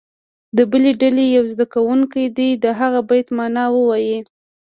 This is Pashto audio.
د بلې ډلې یو زده کوونکی دې د هغه بیت معنا ووایي.